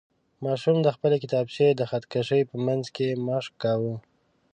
ماشوم د خپلې کتابچې د خط کشۍ په منځ کې مشق کاوه.